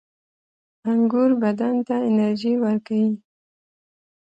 • انګور بدن ته انرژي ورکوي.